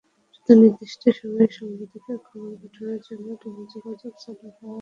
শুধু নির্দিষ্ট সময়ে সাংবাদিকদের খবর পাঠানোর জন্য টেলিযোগাযোগ চালু করা হতো।